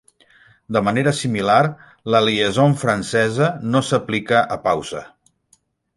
De manera similar, la liaison francesa no s'aplica a pausa.